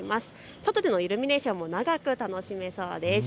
外でのイルミネーションも長く楽しめそうです。